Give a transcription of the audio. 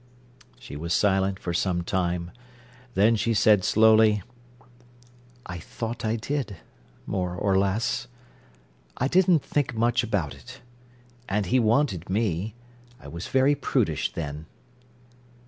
She was silent for some time; then she said slowly: "I thought I did—more or less. I didn't think much about it. And he wanted me. I was very prudish then."